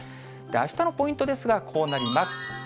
あしたのポイントですが、こうなります。